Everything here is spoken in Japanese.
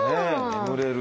眠れる。